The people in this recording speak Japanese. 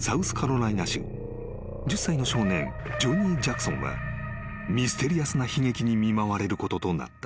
［１０歳の少年ジョニー・ジャクソンはミステリアスな悲劇に見舞われることとなった］